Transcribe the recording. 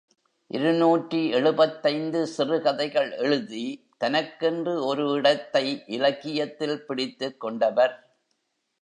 இருநூற்று எழுபத்தைந்து சிறுகதைகள் எழுதி தனக்கென்று ஒரு இடத்தை இலக்கியத்தில் பிடித்துக்கொண்டவர்.